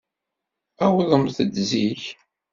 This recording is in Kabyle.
Awḍemt-d zik.